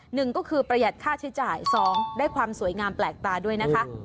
หนึ่งก็คือประหยัดค่าใช้จ่ายสองได้ความสวยงามแปลกตาด้วยนะคะ